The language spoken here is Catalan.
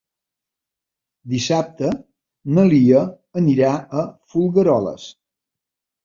Dissabte na Lia anirà a Folgueroles.